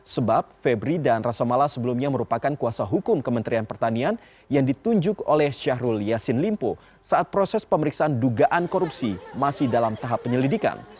sebab febri dan rasa mala sebelumnya merupakan kuasa hukum kementerian pertanian yang ditunjuk oleh syahrul yassin limpo saat proses pemeriksaan dugaan korupsi masih dalam tahap penyelidikan